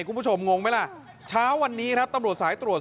งงไหมล่ะเช้าวันนี้ครับตำรวจสายตรวจ